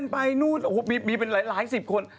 ไปนู่นมีเป็นหลายสิบคน